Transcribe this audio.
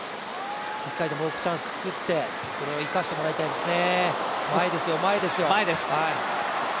１回でも多くチャンスを作ってそれを生かしてもらいたいですね。